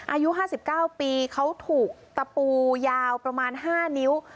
อายุ๕๙ปีเขาถูกตะปูยาวประมาณ๕นิ้ว